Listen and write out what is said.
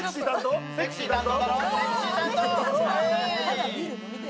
セクシー担当！